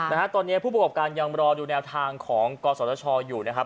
นะฮะตอนนี้ผู้ประกอบการยังรอดูแนวทางของกศชอยู่นะครับ